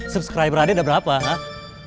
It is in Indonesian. subscriber ade ada berapa hah